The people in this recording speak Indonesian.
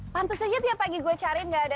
pantes aja tiap pagi gue cariin nggak ada